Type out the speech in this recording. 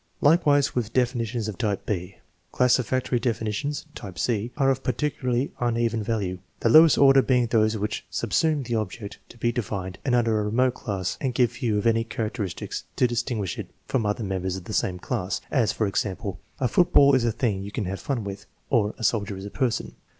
Likewise with definitions of type b. Classificatory definitions (type c) are of particularly un even value, the lowest order being those which subsume the object to be defined under a remote class and give few if tiny characteristics to distinguish it from other members of the same class; as, for example, " A football is a thing you can have fun with," or, " A soldier is a person."